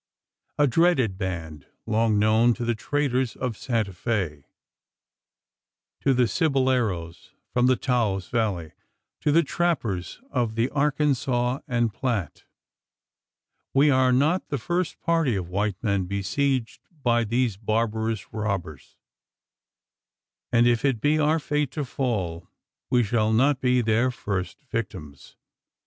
A dreaded band, long known to the traders of Santa Fe to the ciboleros from the Taos Valley to the trappers of the Arkansas and Platte. We are not the first party of white men besieged by these barbarous robbers; and if it be our fate to fall, we shall not be their first victims.